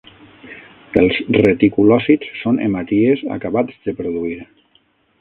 Els reticulòcits són hematies acabats de produir.